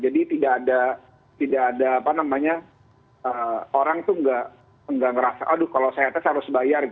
jadi tidak ada tidak ada apa namanya orang tuh nggak ngerasa aduh kalau saya tes harus dibayar gitu